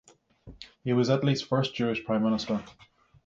He was Italy's first Jewish Prime Minister.